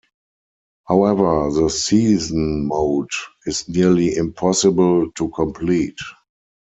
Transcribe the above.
However, the season mode is nearly impossible to complete.